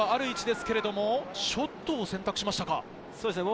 まだ４５ｍはある位置ですけど、ショットを選択しましたか？